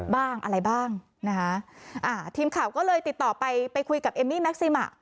บ้างอะไรบ้างนะคะอ่าทีมข่าวก็เลยติดต่อไปไปคุยกับเอมมี่แม็กซิมะ